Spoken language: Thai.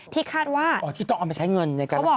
ที่คาดว่าอ๋อที่ต้องเอามาใช้เงินในการรับรอง